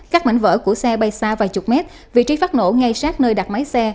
các mảnh vỡ của xe bay xa vài chục mét vị trí phát nổ ngay sát nơi đặt máy xe